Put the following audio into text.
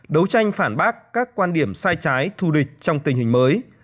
đấu tranh phản bác các quan điểm sai trái thù địch trong tình hình mới